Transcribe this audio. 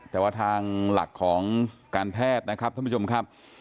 แต่ว่าทางหลักของการแพทย์นะครับท่านผู้ชมครับ